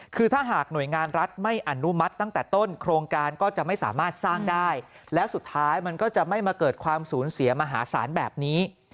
คือถ้าหากหน่วยงานรัฐไม่อนุมัติตั้งแต่ต้นโครงการก็จะไม่สามารถสร้างได้แล้วสุดท้ายมันก็จะไม่มาเกิดความสูญเสียมหาศาลแบบนี้